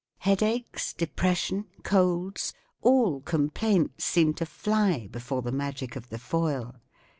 Headaches, depression* colds—all com plaints seem to fly before the magic of the foil.